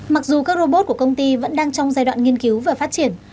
mặc dù các robot của công ty vẫn đang trong giai đoạn nghiên cứu và phát triển